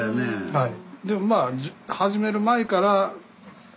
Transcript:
はい。